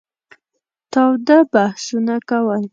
تاوده بحثونه کول.